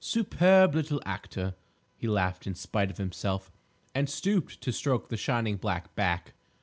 "Superb little actor!" he laughed in spite of himself, and stooped to stroke the shining black back.